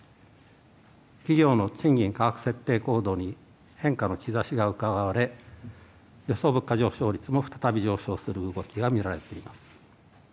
企業の賃金価格設定行動に変化の兆しがうかがわれ、予想物価上昇率も再び上昇する動きが見られています。